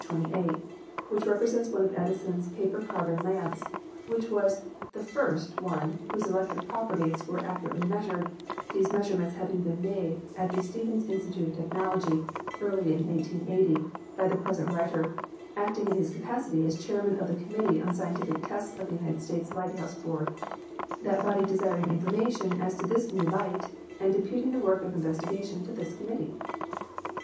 28, which represents one of Edison's paper carbon lamps, which was the first one whose electric properties were ac curately measured, these measurements having been made at the Stevens Institute of Technology, early in 1880, by Fig. 27 — Eeison's Platinum Lamp on Column Support, 1879. Fig. 2d, — Edison's Paper Carbon Lamp. the present writer, acting in his capacity as Chairman of the Committee on Scientific Tests of the United States Lighthouse Board, that body desiring information as to this new light, and deputing the work of investigation to this committee.